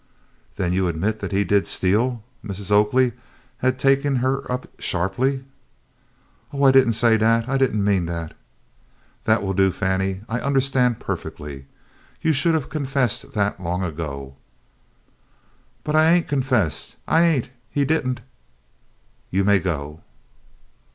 "Then you admit that he did steal?" Mrs. Oakley had taken her up sharply. "Oh, I did n't say dat; I did n't mean dat." "That will do, Fannie. I understand perfectly. You should have confessed that long ago." "But I ain't confessin'! I ain't! He did n't " "You may go."